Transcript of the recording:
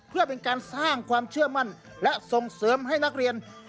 เพื่อเป็นการสร้างความเชื่อมั่นและส่งเสริมให้นักเรียน